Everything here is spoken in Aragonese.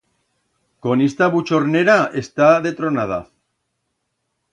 Con ista buchornera, está de tronada!